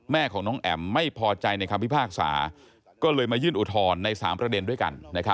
แม่ของน้องแอ๋มไม่พอใจในคำพิพากษาก็เลยมายื่นอุทธรณ์ใน๓ประเด็นด้วยกัน